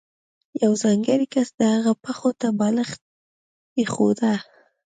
یو ځانګړی کس د هغه پښو ته بالښت ایښوده.